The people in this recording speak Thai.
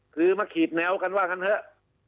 คือมาขีดแนวกันว่ากันเถอะ